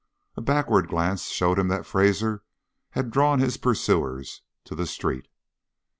A backward glance showed him that Fraser had drawn his pursuers to the street.